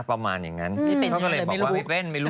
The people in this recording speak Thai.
คุณเป็นไหม